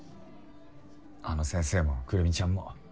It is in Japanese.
あの先生もくるみちゃんも。